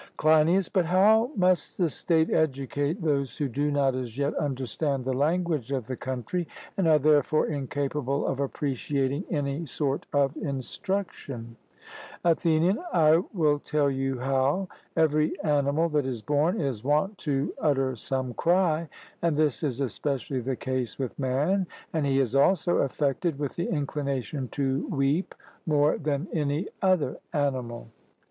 CLEINIAS: But how must the state educate those who do not as yet understand the language of the country, and are therefore incapable of appreciating any sort of instruction? ATHENIAN: I will tell you how: Every animal that is born is wont to utter some cry, and this is especially the case with man, and he is also affected with the inclination to weep more than any other animal.